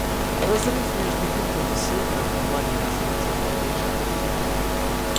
Разрыв между Югом и Севером в плане развития по-прежнему велик.